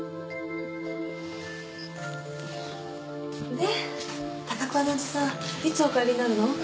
で高桑のおじさんいつお帰りになるの？